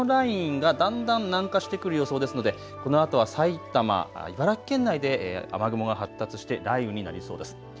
このラインがだんだん南下してくる予想ですのでこのあとは埼玉、茨城県内で雨雲が発達して雷雨になりそうです。